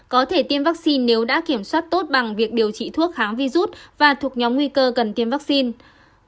có thể tiêm vaccine nếu đã kiểm soát tốt bằng việc điều trị thuốc kháng virus và thuộc nhóm nguy cơ cần tiêm vaccine